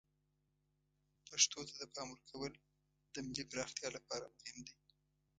پښتو ته د پام ورکول د ملی پراختیا لپاره مهم دی.